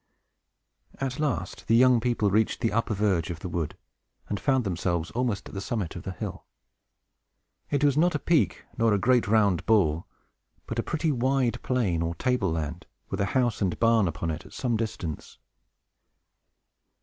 At last, the young people reached the upper verge of the wood, and found themselves almost at the summit of the hill. It was not a peak, nor a great round ball, but a pretty wide plain, or table land, with a house and barn upon it, at some distance.